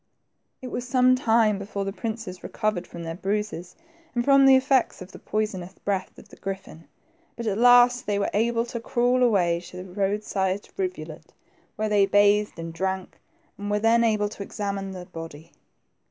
•It was some time before the princes recovered from their bruises, and from the effects of the poisonous breath of the griffin, but at last they were able to crawl a^ay to a roadside rivulet, where they bathed and drank, and were then able to examine the body.